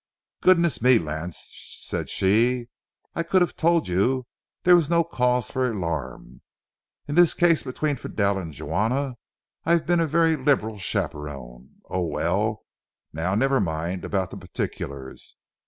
"Goodness me, Lance," said she, "I could have told you there was no cause for alarm. In this case between Fidel and Juana, I've been a very liberal chaperon. Oh, well, now, never mind about the particulars.